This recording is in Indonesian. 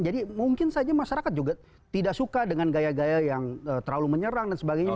jadi mungkin saja masyarakat juga tidak suka dengan gaya gaya yang terlalu menyerang dan sebagainya